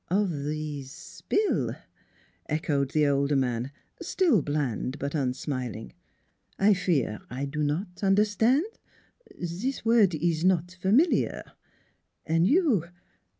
" Of ze s s pill? " echoed the older man, still bland but unsmiling. " I fear I do not un'erstan'. Ze word ees not familiar. An' you